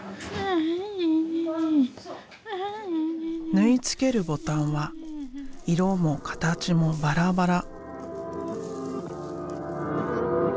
縫い付けるボタンは色も形もバラバラ。